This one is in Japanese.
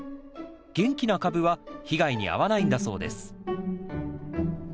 元気な株は被害に遭わないんだそうです。